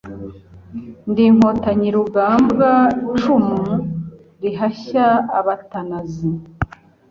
Ndi inkotanyi RugambwaIcumu rihashya abatanazi